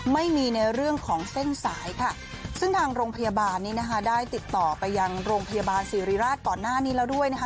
ไม่มีในเรื่องของเส้นสายค่ะซึ่งทางโรงพยาบาลนี้นะคะได้ติดต่อไปยังโรงพยาบาลศิริราชก่อนหน้านี้แล้วด้วยนะคะ